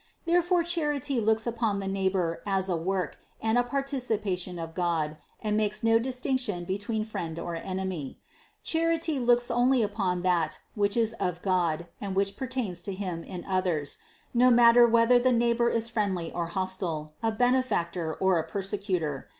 Therefore charity looks upon the neighbor as a work and a participation of God and makes no distinction between friend or enemy. Charity looks only upon that which is of God and which pertains to Him in others, no matter whether the neighbor is friend THE CONCEPTION 409 ly or hostile, a benefactor or a persecutor.